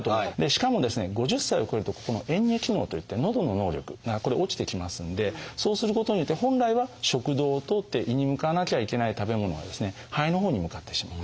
しかもですね５０歳を超えるとここの嚥下機能といってのどの能力がこれ落ちてきますんでそうすることによって本来は食道を通って胃に向かわなきゃいけない食べ物がですね肺のほうに向かってしまう。